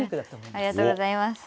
ありがとうございます。